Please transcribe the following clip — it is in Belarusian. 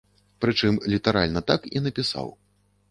Прычым літаральна так і напісаў.